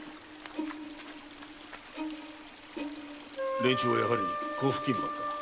連中はやはり甲府勤番か？